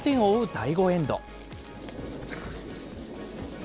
第５エンド。